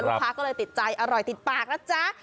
ก็เลยติดใจอร่อยติดปากนะจ๊ะ